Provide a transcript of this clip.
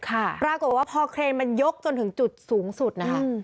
ปรากฏว่าพอเครนมันยกจนถึงจุดสูงสุดนะคะ